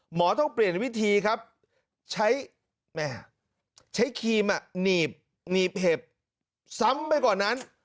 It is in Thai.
หมอต้องเปลี่ยนวิธีครับใช้คีมนีบเห็บซ้ำไปก่อนนั้น